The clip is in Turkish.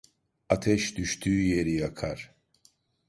Ateş düştüğü yeri yakar.